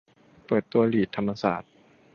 เปิดตัวลีดธรรมศาสตร์